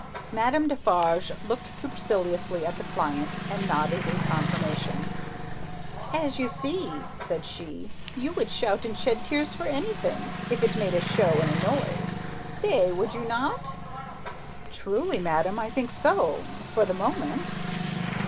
Madame Defarge looked superciliously at the client, and nodded in confirmation. "As to you," said she, "you would shout and shed tears for anything, if it made a show and a noise. Say! Would you not?" "Truly, madame, I think so. For the moment."